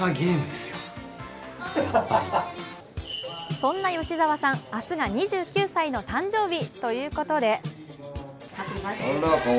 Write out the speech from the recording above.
そんな吉沢さん、明日が２９歳の誕生日ということで。